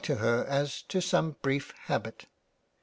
to her as to some brief habit.